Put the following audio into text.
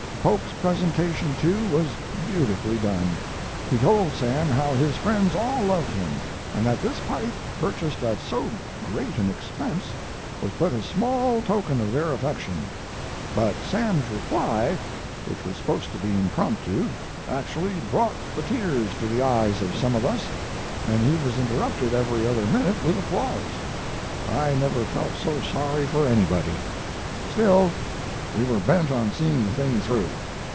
Pope's presentation, too, was beautifully done. He told Sam how his friends all loved him, and that this pipe, purchased at so great an expense, was but a small token of their affection. But Sam's reply, which was supposed to be impromptu, actually brought the tears to the eyes of some of us, and he was interrupted every other minute with applause. I never felt so sorry for anybody. "Still, we were bent on seeing the thing through.